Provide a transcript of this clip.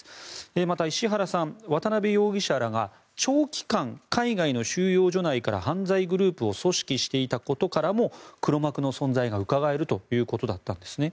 また、石原さんは渡邉容疑者らが長期間、海外の収容所内から犯罪グループを組織していたことからも黒幕の存在がうかがえるということだったんですね。